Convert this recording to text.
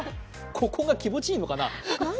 ここが気持ちいいのかな。